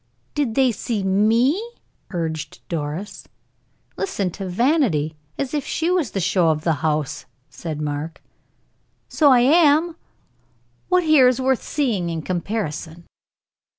"Did they see me?" urged Doris. "Listen to Vanity! As if she was the show of the house!" said Mark. "So I am. What here is worth seeing in comparison?"